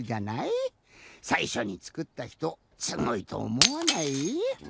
さいしょにつくったひとすごいとおもわない？